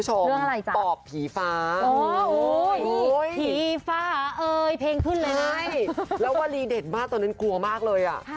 ใช่แล้ววารีเดชมากตอนนั้นกลัวมากเลยอ่ะ